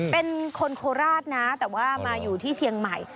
เป็นคนโคราชนะแต่ว่ามาอยู่ที่เชียงใหม่